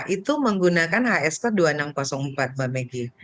itu menggunakan hsk dua ribu enam ratus empat mbak meggy